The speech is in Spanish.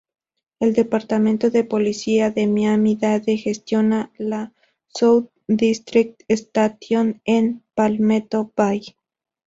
El Departamento de Policía de Miami-Dade gestiona la "South District Station" en Palmetto Bay.